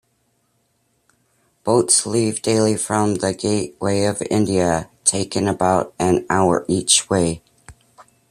Boats leave daily from the Gateway of India, taking about an hour each way.